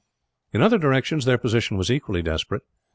In other directions their position was equally desperate.